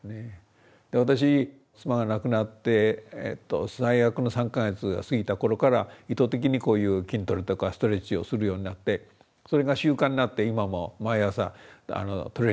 私妻が亡くなって最悪の３か月が過ぎた頃から意図的にこういう筋トレとかストレッチをするようになってそれが習慣になって今も毎朝トレーニングしてるんですけどね。